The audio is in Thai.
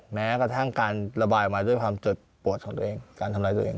แม้กระทั่งการระบายมาด้วยความเจ็บปวดของตัวเองการทำร้ายตัวเอง